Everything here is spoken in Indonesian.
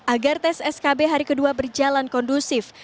agar tes skb hari kedua berjalan kondusif